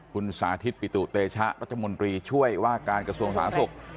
คุณสาธิตปิตุเตชะรัฐมนตรีช่วยว่าการกระทรวงสาธารณสุข